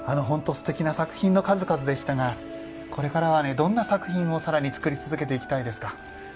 すてきな作品の数々でしたがこれからはどんな作品を更につくり続けていきたいですか？